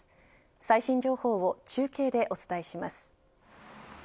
最新情報を中継でお伝えします。